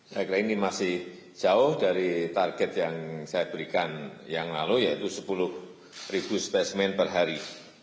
saya kira ini masih jauh dari target yang saya berikan yang lalu yaitu sepuluh spesimen per hari